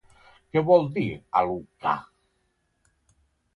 Què vol dir Alukah?